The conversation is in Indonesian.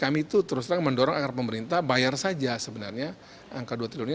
mendorong agar pemerintah bayar saja sebenarnya angka dua triliunnya